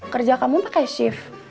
kerja kamu pakai shift